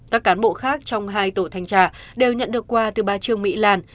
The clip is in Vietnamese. các cán bộ khác trong hai tổ thanh tra đều nhận được quà từ ba trường mỹ làn